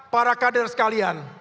para kader sekalian